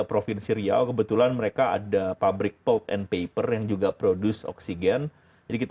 provinsi riau kebetulan mereka ada pabrik pop and paper yang juga produce oksigen jadi kita